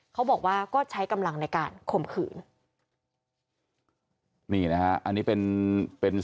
เขาบอกว่าก็ใช้กำลังในการข่มขืน